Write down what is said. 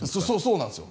そうなんです。